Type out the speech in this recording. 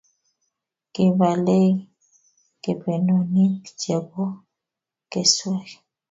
Kipalei kepenonik chebokeswek